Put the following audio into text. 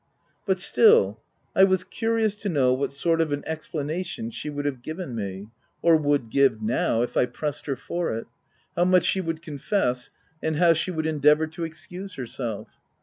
But still, I was curious to know what sort of an explanation she would have given me, — or would give now, if I pressed her for it — how much she would confess, and how she would endeavour to excuse herself.